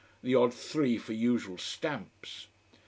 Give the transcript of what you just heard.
The odd three for usual stamps.